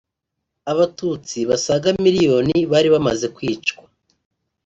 Abatutsi basaga miliyoni bari bamaze kwicwa